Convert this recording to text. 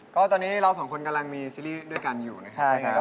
ก็ตอนนี้เราสองคนกำลังมีซีรีส์ด้วยกันอยู่นะครับ